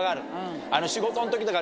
仕事の時とか。